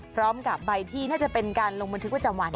พร้อมกับใบที่น่าจะเป็นการลงบันทึกประจำวัน